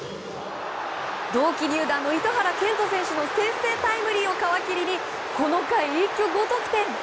同期入団の糸原健斗選手の先制タイムリーを皮切りにこの回一挙５得点。